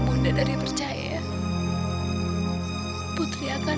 bunda dari ada di mana